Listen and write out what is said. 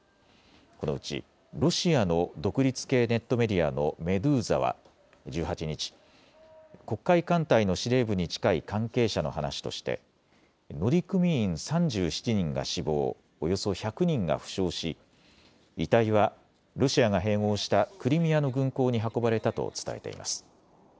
このうちロシアの独立系ネットメディアのメドゥーザは１８日、黒海艦隊の司令部に近い関係者の話として乗組員３７人が死亡、およそ１００人が負傷し遺体はロシアが併合したクリミアの軍港に運ばれたと伝えています。